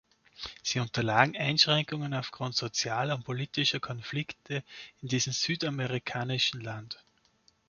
Sie unterlagen Einschränkungen aufgrund sozialer und politischer Konflikte in diesem südamerikanischen Land.